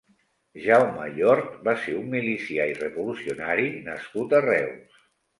Jaume Llort va ser un milicià i revolucionari nascut a Reus.